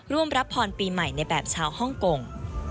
เจอกันสิแล้วกลับมาพบผม